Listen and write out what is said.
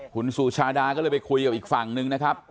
คุณสุชาดาก็เลยไปคุยกับอีกฝั่งนึงนะครับ